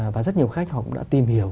và rất nhiều khách họ cũng đã tìm hiểu